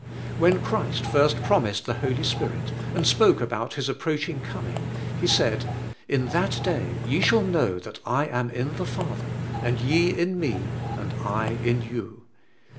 When Christ first promised the Holy Spirit, and spoke about His approaching coming. He said: "In that day ye shall know that I am in the Father, and ye in me, and I in you.